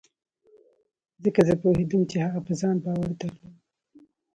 ځکه زه پوهېدم چې هغه په ځان باور درلود.